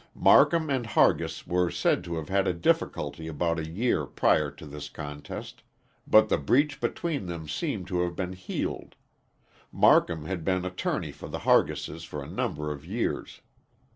Marcum and Hargis were said to have had a difficulty about a year prior to this contest, but the breach between them seemed to have been healed. Marcum had been attorney for the Hargises for a number of years.